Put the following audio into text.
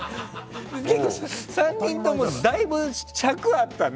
３人ともだいぶ尺があったね。